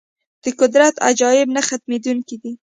د قدرت عجایب نه ختمېدونکي دي.